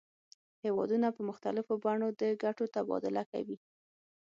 هیوادونه په مختلفو بڼو د ګټو تبادله کوي